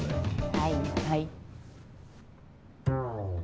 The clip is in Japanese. はいはい。